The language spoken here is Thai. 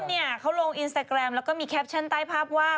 เนี่ยเขาลงอินสตาแกรมแล้วก็มีแคปชั่นใต้ภาพว่า